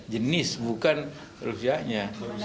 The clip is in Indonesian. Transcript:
jenis bukan rusia nya